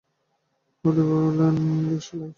Katie বললে, দেশালাই।